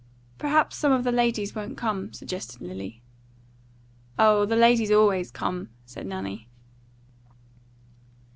"Perhaps some of the ladies won't come," suggested Lily. "Oh, the ladies always come," said Nanny.